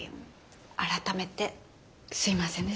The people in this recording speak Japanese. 改めてすみませんでした。